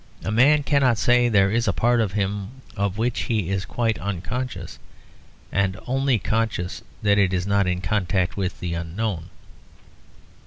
A man cannot say there is a part of him of which he is quite unconscious, and only conscious that it is not in contact with the unknown.